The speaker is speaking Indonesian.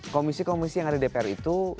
komisi komisi yang ada dpr itu